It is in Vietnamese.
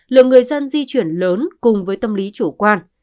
lượng người dân di chuyển lớn cùng với tâm lý chủ quan